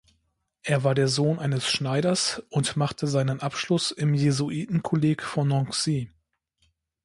Er war der Sohn eines Schneiders und machte seinen Abschluss im Jesuitenkolleg von Nancy.